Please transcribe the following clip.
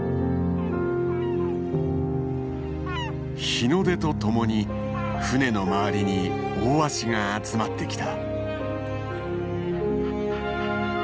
日の出とともに船の周りにオオワシが集まってきた。